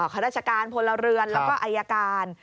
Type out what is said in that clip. ข้าราชการพลเรือนแล้วก็อายการ